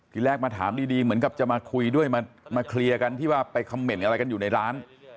ทีแรกมาถามดีเหมือนกับจะมาคุยด้วยมาเคลียร์กันที่ว่าไปคำเมนต์อะไรกันอยู่ในร้าน